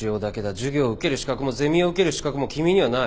授業を受ける資格もゼミを受ける資格も君にはない。